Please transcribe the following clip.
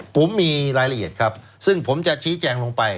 ผมมีรายละเอียดครับซึ่งผมจะชี้แจงลงไป